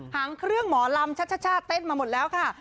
หังเพื่อหมอลำชะชะเต้นมาหมดแล้วค่ะ